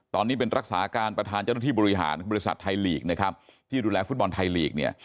ตอนนี้เป็นรักษาการประธานเจ้าหน้าที่บริหารบริษัทไทยลีกนะครับที่ดูแลฟุตบอลไทยลีกเนี่ย